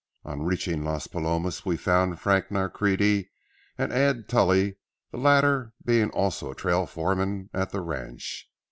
On reaching Las Palomas, we found Frank Nancrede and Add Tully, the latter being also a trail foreman, at the ranch.